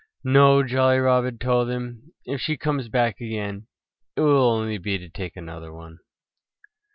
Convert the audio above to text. "No!" Jolly Robin told him. "If she comes back again it will only be to take another one."